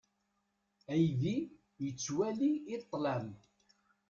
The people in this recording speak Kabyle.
Aydi yettwali i ṭṭlam.